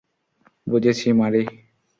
বুঝেছি, মারি।